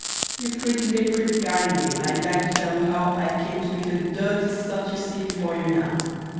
"You've treated me pretty kindly and I'd like to tell you how I came to be the dirty sot you see before you now.